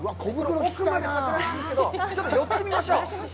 奥まで桜なんですけど、寄ってみましょう。